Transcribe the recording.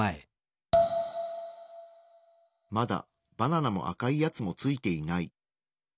まだバナナも赤いやつもついていない。